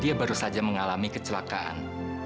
dia baru saja mengalami kecelakaan